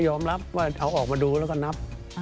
ยอมรับว่าเอาออกมาดูแล้วก็นับ